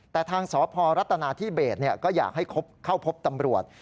แต่ทางสพรัฐนาธิเบสก็อยากให้เข้าพบตำรวจ